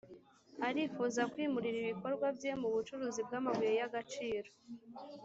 Arifuza kwimurira ibikorwa bye mu bucuruzi bw’amabuye y’agaciro